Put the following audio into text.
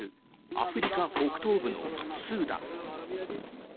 アフリカ北東部のスーダン。